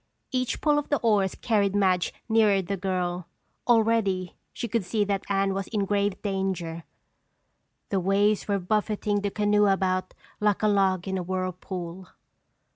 Each pull of the oars carried Madge nearer the girl. Already she could see that Anne was in grave danger. The waves were buffeting the canoe about like a log in a whirlpool.